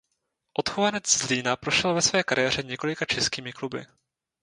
Odchovanec Zlína prošel ve své kariéře několika českými kluby.